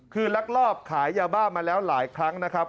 คือลักลอบขายยาบ้ามาแล้วหลายครั้งนะครับ